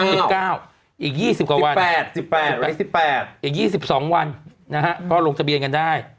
อีก๒๐กว่าวัน๑๘วันที่๑๘อีก๒๒วันนะฮะก็ลงทะเบียนกันได้